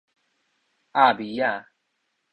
鴨咪仔